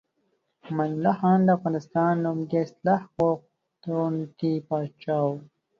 امان الله خان د افغانستان لومړنی اصلاح غوښتونکی پاچا و.